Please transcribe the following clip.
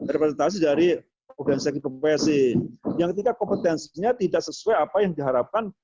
representasi dari organisasi profesi yang ketika kompetensinya tidak sesuai apa yang diharapkan